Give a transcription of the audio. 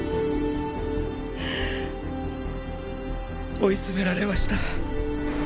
追い詰められました。